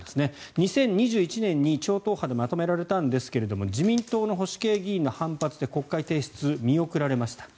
２０２１年に超党派でまとめられたんですが自民党の保守系議員の反発で国会提出、見送られました。